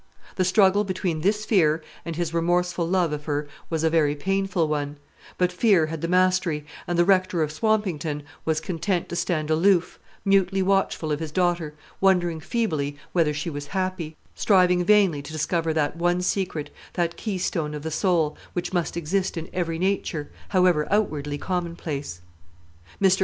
The struggle between this fear and his remorseful love of her was a very painful one; but fear had the mastery, and the Rector of Swampington was content to stand aloof, mutely watchful of his daughter, wondering feebly whether she was happy, striving vainly to discover that one secret, that keystone of the soul, which must exist in every nature, however outwardly commonplace. Mr.